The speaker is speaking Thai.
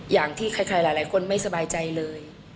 อย่างที่ใครหลายคนไม่สบายใจเลย